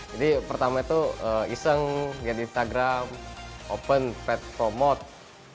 jadi pertama itu iseng di instagram open pet promote